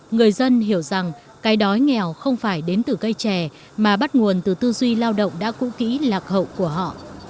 người dân hiểu rằng cái đói nghèo không phải đến từ cây trẻ mà bắt nguồn từ tư duy lao động đã cũ kỹ lạc hậu của họ